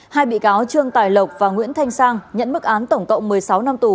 hai bị cáo trương tài lộc và nguyễn thanh sang nhận mức án tổng cộng một mươi sáu năm tù